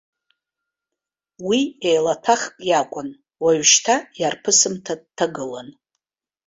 Уи еилаҭәахк иакәын, уажәшьҭа иарԥысымҭа дҭагылан.